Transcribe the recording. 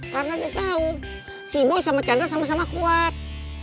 karena dia tahu si boy sama chandra sama sama kuat